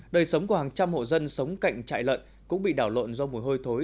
đời sống của hàng trăm hộ dân sống cạnh trại lợn cũng bị đảo lộn do mùi hôi thối